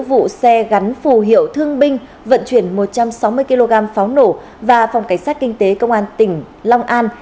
vụ xe gắn phù hiệu thương binh vận chuyển một trăm sáu mươi kg pháo nổ và phòng cảnh sát kinh tế công an tỉnh long an